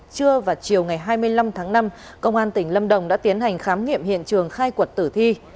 trưa và chiều ngày hai mươi năm tháng năm công an tỉnh lâm đồng đã tiến hành khám nghiệm hiện trường khai quật tử thi